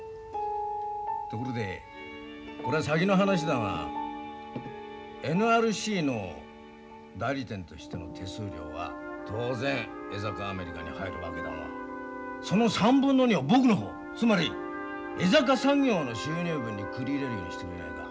ところでこれは先の話だがＮＲＣの代理店としての手数料は当然江坂アメリカに入るわけだがその３分の２を僕の方つまり江坂産業の収入分に繰り入れるようにしてくれないか？